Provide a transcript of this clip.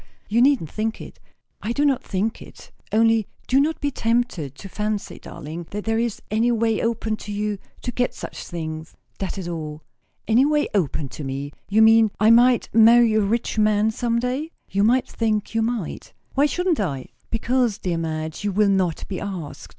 You needn't think it." "I do not think it. Only, do not be tempted to fancy, darling, that there is any way open to you to get such things; that is all." "Any way open to me? You mean, I might marry a rich man some day?" "You might think you might." "Why shouldn't I?" "Because, dear Madge, you will not be asked.